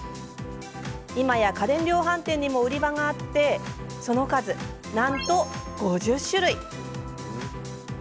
今や、家電量販店にも売り場がありその数、なんと５０種類。